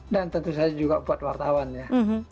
dan tentu saja juga buat wartawan ya